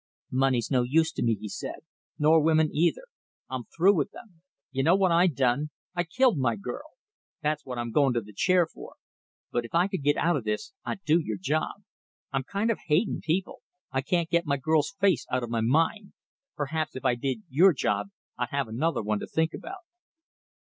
"Money's no use to me," he said, "nor women either I'm through with them. You know what I done? I killed my girl. That's what I'm going to the chair for. But if I could get out of this, I'd do your job. I'm kind of hating people. I can't get my girl's face out of my mind. Perhaps if I did your job I'd have another one to think about."